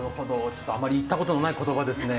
あまり言ったことのない言葉ですね。